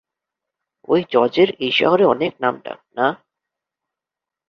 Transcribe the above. ঐ জজের এই শহরে অনেক নাম-ডাক, না?